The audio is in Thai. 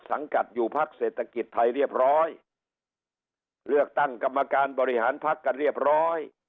สังกัดอยู่พักเศรษฐกิจไทยเรียบร้อยเลือกตั้งกรรมการบริหารพักกันเรียบร้อย